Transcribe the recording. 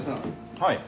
はい。